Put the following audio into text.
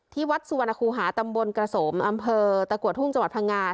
ที่วัดสุวรรณคูหาตำบลกระสมอำเภอตะกัวทุ่งจังหวัดพังงา